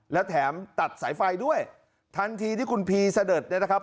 แล้วแถมตัดสายไฟด้วยทันทีที่คุณพีเสด็จเนี่ยนะครับ